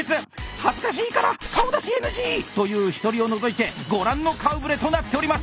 「恥ずかしいから顔出しＮＧ！」という１人を除いてご覧の顔ぶれとなっております！